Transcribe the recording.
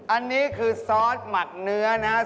อันนี้คือซอสหมักเนื้อนะครับ